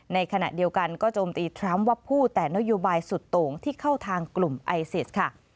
ในขณะเดียวกันก็โจมตีทรัมป์ว่าพูดแต่นโยบายสุดโต่งที่เข้าทางกลุ่มไอซิสค่ะ